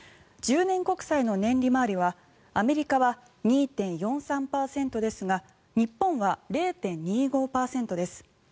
１０年国債の年利回りはアメリカは２．４３％ですが日本は０．２５％です。